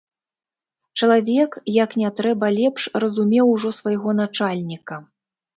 Чалавек, як не трэба лепш, разумеў ужо свайго начальніка.